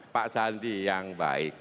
pak sandi yang baik